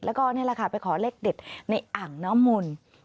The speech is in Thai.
แล้วก็นี่แหละค่ะไปขอเลขเด็ดในอ่างน้ำมนต์